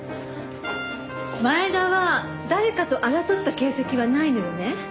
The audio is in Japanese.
前田は誰かと争った形跡はないのよね？